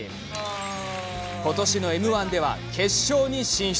今年のＭ−１では決勝に進出。